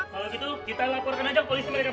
kalau gitu kita laporkan aja ke polisi mereka